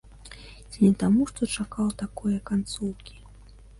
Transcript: Ці не таму, што чакаў такое канцоўкі?